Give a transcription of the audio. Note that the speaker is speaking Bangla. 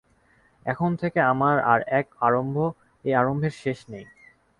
এখন থেকে আমার আর-এক আরম্ভ, এ আরম্ভের শেষ নেই।